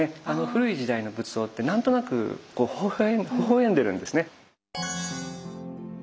古い時代の仏像って何となくほほ笑んでるんですね。